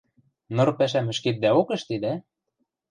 Ныр пӓшӓм ӹшкетдӓок ӹштедӓ?